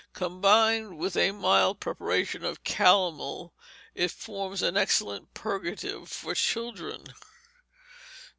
Combined with a mild preparation of calomel, it forms an excellent purgative for children.